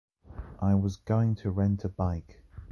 I was going to rent a bike.